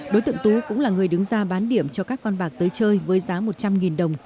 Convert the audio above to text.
đối tượng tú cũng là người đứng ra bán điểm cho các con bạc tới chơi với giá một trăm linh đồng